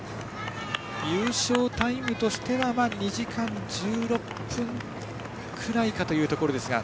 優勝タイムとしては２時間１６分くらいかというところですが。